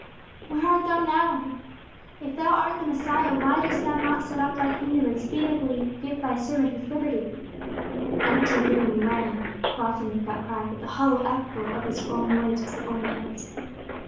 "Where art Thou now?" he cried. "If Thou art the Messiah, why dost Thou not set up Thy kingdom, and speedily give Thy servant his liberty?" The empty room rang often with that cry; but the hollow echo of his own words was the only answer.